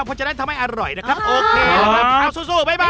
เพราะฉะนั้นทำให้อร่อยนะครับโอเคเอาสู้บ๊ายบาย